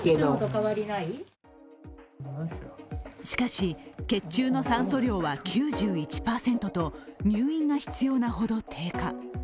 しかし、血中の酸素量は９１％と入院が必要なほど低下。